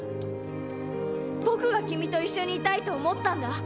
僕が君と一緒にいたいと思ったんだ